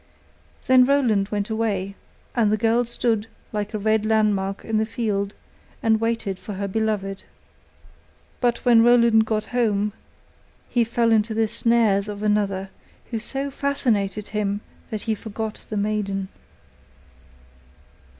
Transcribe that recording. Then Roland went away, and the girl stood like a red landmark in the field and waited for her beloved. But when Roland got home, he fell into the snares of another, who so fascinated him that he forgot the maiden.